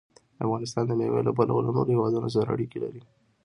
افغانستان د مېوې له پلوه له نورو هېوادونو سره اړیکې لري.